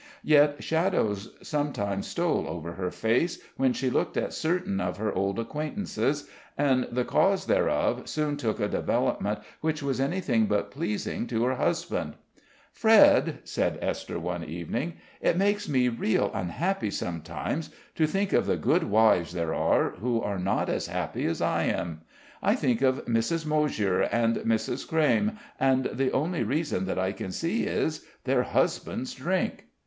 Yet shadows sometimes stole over her face, when she looked at certain of her old acquaintances, and the cause thereof soon took a development which was anything but pleasing to her husband. "Fred," said Esther one evening, "it makes me real unhappy sometimes to think of the good wives there are who are not as happy as I am. I think of Mrs. Moshier and Mrs. Crayme, and the only reason that I can see is, their husbands drink."